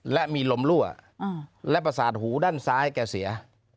และมีลมรั่วและประสาทหูด้านซ้ายแกเสีย